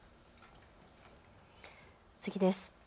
次です。